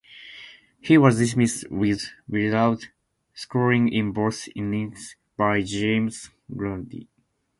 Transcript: He was dismissed without scoring in both innings by James Grundy.